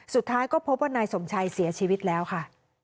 สุดท้ายก็พบว่านายสมชัยเสียชีวิตแล้วค่ะ